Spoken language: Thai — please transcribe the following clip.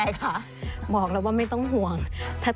ดูกันด้วย